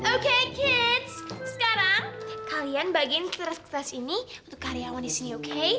oke kids sekarang kalian bagiin keteras keteras ini untuk karyawan disini oke